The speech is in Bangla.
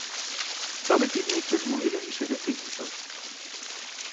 তবে তিনি একজন মহিলা হিসেবে চিহ্নিত।